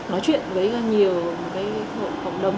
nói chuyện với nhiều hộp đồng